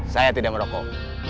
saya tidak merokok